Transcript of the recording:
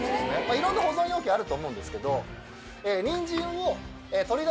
いろんな保存容器あると思うんですけど。